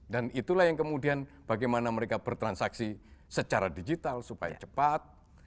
dan itulah yang kemudian bagaimana mereka bertransaksi secara digital supaya cepat